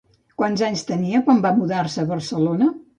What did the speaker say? Quants anys tenia quan va mudar-se a Barcelona?